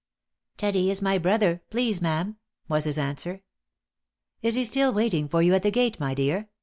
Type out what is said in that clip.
" Teddy is my brother, please ma'am," was his answer. " Is he still waiting for you at the gate, my dear?"